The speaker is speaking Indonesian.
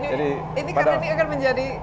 ini karena ini akan menjadi